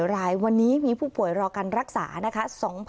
รายวันนี้มีผู้ป่วยรอการรักษานะคะ